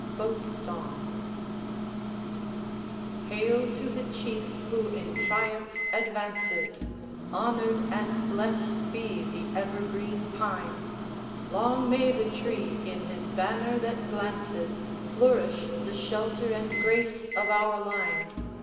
Boat Song Hail to the Chief who in triumph advances! Honored and blessed be the ever green Pine! Long may the tree, in his banner that glances, Flourish, the shelter and grace of our line!